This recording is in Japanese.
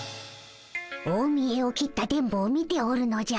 大みえを切った電ボを見ておるのじゃ。